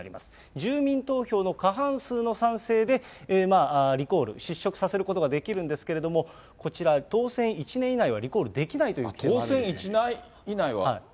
住民投票の過半数の賛成でリコール、失職させることができるんですけれども、こちら、当選１年以内はリコールできないという規定があります。